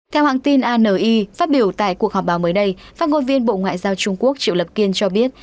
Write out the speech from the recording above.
theo hãng tin ani phát biểu tại cuộc họp báo mới đây phát ngôn viên bộ ngoại giao trung quốc triệu lập kiên cho biết